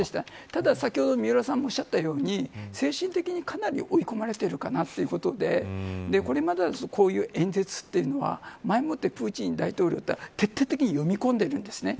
ただ先ほど、三浦さんもおっしゃっていたように精神的にかなり追い込まれてるかなということでこれまでだとこういう演説というのは前もってプーチン大統領は徹底的に読み込んでいるんです。